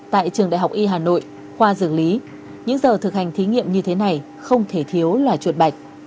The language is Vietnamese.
tại trường đại học y hà nội khoa dược lý những giờ thực hành thí nghiệm như thế này không thể thiếu là chuột bạch